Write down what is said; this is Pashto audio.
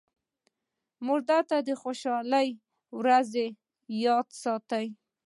مړه ته د خوشحالۍ ورځو یاد پاتې دی